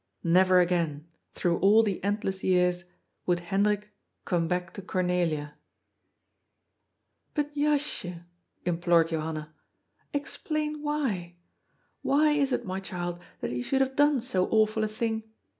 Never again, through all the endless years would Hendrik come back to Cornelia. " But, Jasje," implored Johanna, " explain why. Wiy is it, my child, that you should have done so awful a thing